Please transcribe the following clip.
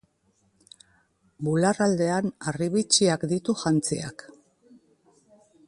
Bular aldean harribitxiak ditu jantziak.